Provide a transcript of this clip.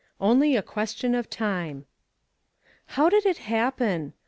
"ONLY A QUESTION OF TIME." HOW did it happen?